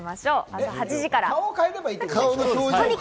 朝８時から。